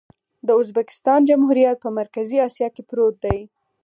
د ازبکستان جمهوریت په مرکزي اسیا کې پروت دی.